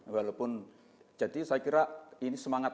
walaupun jadi saya kira ini semangat